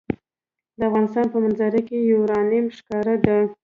د افغانستان په منظره کې یورانیم ښکاره ده.